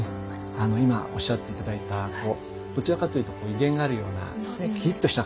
今おっしゃって頂いたどちらかというと威厳があるようなキリっとした顔ですよね。